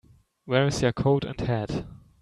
Where's your coat and hat?